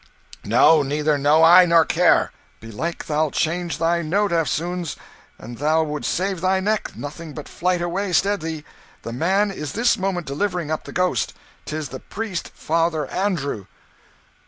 "No. Neither know I, nor care." "Belike thou'lt change thy note eftsoons. An thou would save thy neck, nothing but flight may stead thee. The man is this moment delivering up the ghost. 'Tis the priest, Father Andrew!"